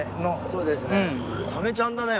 そうですね。